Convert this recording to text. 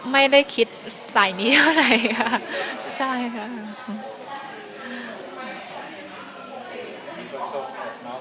ไม่ได้คิดสายนี้อะไรค่ะใช่ค่ะ